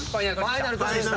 ファイナル年下。